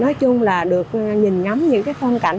nói chung là được nhìn ngắm những phân cảnh